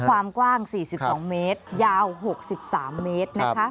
ความกว้าง๔๒เมตรยาว๖๓เมตรนะคะ